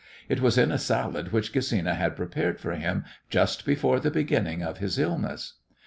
It was in a salad which Gesina had prepared for him just before the beginning of his illness.